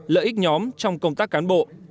lợi ích nhóm trong công tác cán bộ